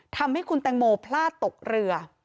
ทำให้คุณแตงโมพลาดตกเรือ